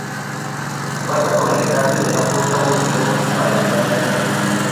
Basta con alejarse de la costa unos kilómetros para notar el calor.